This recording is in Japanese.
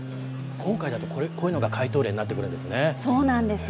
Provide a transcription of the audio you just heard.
今回だとこういうのが解答例になってくるんですね。